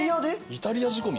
イタリア仕込み？